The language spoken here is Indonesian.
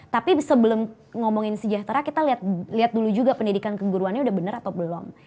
tapi sebelum ngomongin sejahtera kita lihat dulu juga pendidikan keguruannya udah benar atau belum